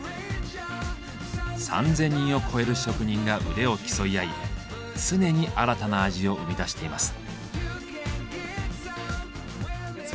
３，０００人を超える職人が腕を競い合い常に新たな味を生み出しています。